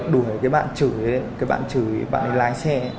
đuổi cái bạn chửi cái bạn chửi cái bạn ấy lái xe